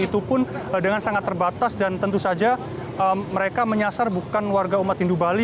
itu pun dengan sangat terbatas dan tentu saja mereka menyasar bukan warga umat hindu bali